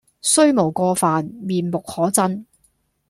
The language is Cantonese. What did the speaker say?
雖無過犯，面目可憎